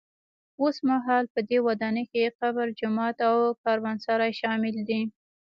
اوسمهال په دې ودانۍ کې قبر، جومات او کاروانسرای شامل دي.